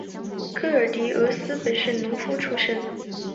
戈耳狄俄斯原本是农夫出身。